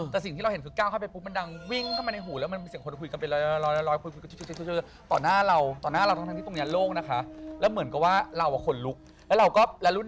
แต่สิ่งที่เราเห็นคือก้าวเข้าไปปุ๊บมันดังวิ่งเข้ามาในหูแล้วมันมีเสียงคนคุยกันเป็นร้อย